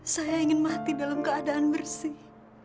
saya ingin mati dalam keadaan bersih